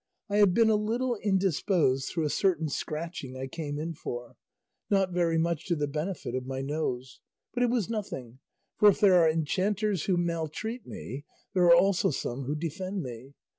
I have been a little indisposed through a certain scratching I came in for, not very much to the benefit of my nose; but it was nothing; for if there are enchanters who maltreat me, there are also some who defend me.